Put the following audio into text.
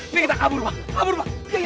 ini kita kabur bang kabur bang